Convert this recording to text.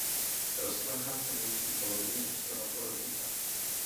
Rozkládá se na jižní polovině ostrova Korsika.